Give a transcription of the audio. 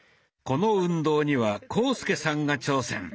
この運動には浩介さんが挑戦。